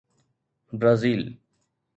Brazil